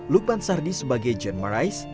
lukman sardi sebagai jen marais